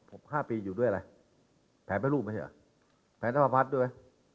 ผม๕ปีอยู่ด้วยอะไรแผนแพร่รูปไหมเถียวแผนธรรมพัฒน์ด้วย